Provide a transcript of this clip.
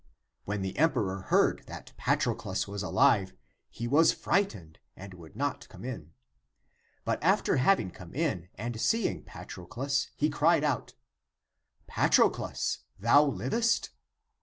When the em peror heard that Patroclus was alive, he was fright ened and would not come in. But after having come in, and seeing Patroclus, he cried out, " Patro clus, thou livest?"